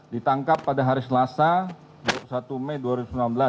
ditangkap pada hari selasa dua puluh satu mei dua ribu sembilan belas